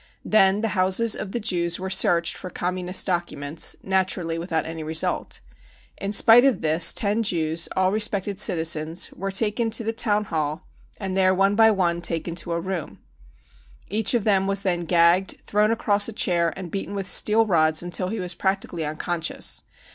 Then the houses of the Jews were searched for Communist documents, naturally without any result. In spite of this ten Jews, all respected citizens, were taken to the Town Hall and there, one 248 BROWN BOOK OF THE HITLER TERROR by one, taken to a room. Each of them was then gagged, thrown across a chair and beaten with steel rods until he was practically unconscious.